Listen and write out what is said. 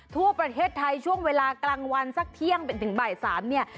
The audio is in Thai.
ทั่วประเทศไทยช่วงเวลากลางวันสักเที่ยงเป็นถึงบ่าย๓เนี่ย